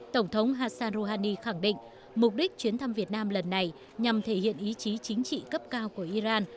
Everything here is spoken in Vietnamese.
tổng thống hassan rouhani khẳng định mục đích chuyến thăm việt nam lần này nhằm thể hiện ý chí chính trị cấp cao của iran